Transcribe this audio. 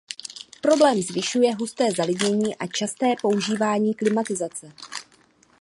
Problém zvyšuje husté zalidnění a časté používání klimatizace.